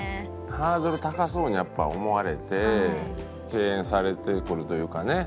ハードル高そうにやっぱ思われて敬遠されてくるというかね出会いも。